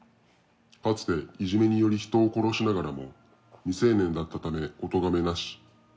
かつていじめにより人を殺しながらも未成年だったためおとがめなし。